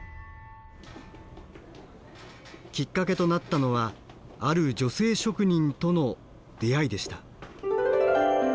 きっかけとなったのはある女性職人との出会いでした。